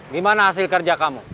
gimana hasil kerja kamu